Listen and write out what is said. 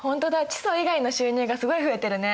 地租以外の収入がすごい増えてるね。